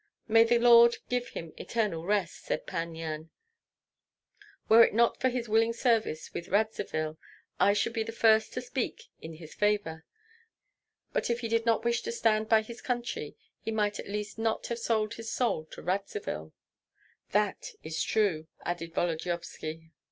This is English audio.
"May the Lord give him eternal rest!" said Pan Yan. "Were it not for his willing service with Radzivill, I should be the first to speak in his favor; but if he did not wish to stand by his country, he might at least not have sold his soul to Radzivill." "That is true!" added Volodyovski.